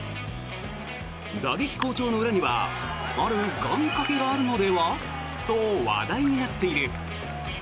打撃好調の裏にはある願掛けがあるのではと話題になっている。